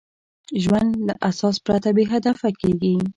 ژوند له اساس پرته بېهدفه کېږي.